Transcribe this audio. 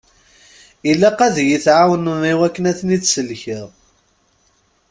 Ilaq ad yi-tɛawnem i wakken ad ten-id-sellkeɣ.